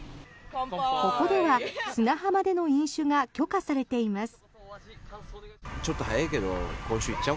ここでは砂浜での飲酒が許可されています。